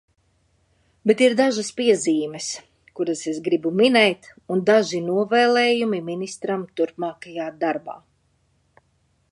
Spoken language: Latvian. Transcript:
Bet ir dažas piezīmes, kuras es gribu minēt, un daži novēlējumi ministram turpmākajā darbā.